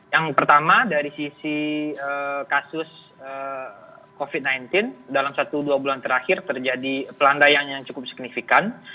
yang pertama dari sisi kasus covid sembilan belas dalam satu dua bulan terakhir terjadi pelandaian yang cukup signifikan